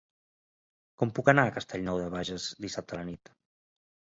Com puc anar a Castellnou de Bages dissabte a la nit?